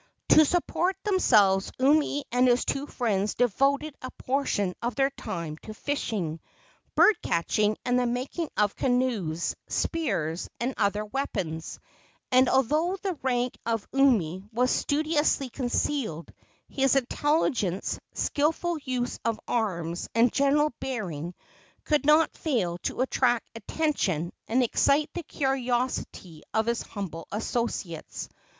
To support themselves Umi and his two friends devoted a portion of their time to fishing, bird catching and the making of canoes, spears and other weapons; and although the rank of Umi was studiously concealed, his intelligence, skilful use of arms and general bearing could not fail to attract attention and excite the curiosity of his humble associates.